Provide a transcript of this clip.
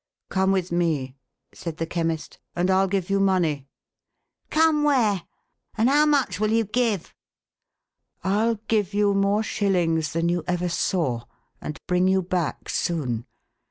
"Come with me," said the Chemist, "and I'll give you money." " Come where ? and how much will you give ?"" I'll give you more shillings than you ever saw, and bring you back soon.